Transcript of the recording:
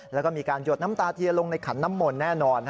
แล้วก็มีการหยดน้ำตาเทียนลงในขันน้ำมนต์แน่นอน